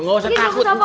nggak usah takut